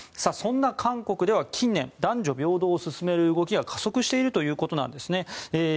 そんな韓国では近年、男女平等を進める動きが加速しているということですね。